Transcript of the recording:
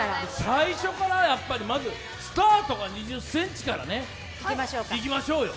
最初からまずスタートが２０ｃｍからいきましょうよ。